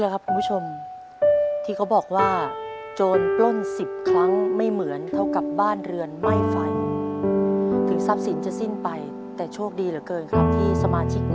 ก้อยไหล่กระจกคุณปีบ้าบุกกระจอก